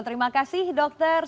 terima kasih dokter